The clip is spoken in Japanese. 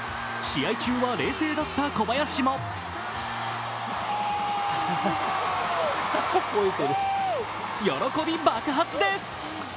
試合中は冷静だった小林も喜び爆発です。